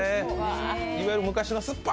いわゆる昔のすっぱー！